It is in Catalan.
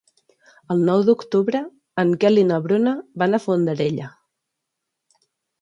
El nou d'octubre en Quel i na Bruna van a Fondarella.